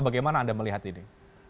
bagaimana anda melihat ini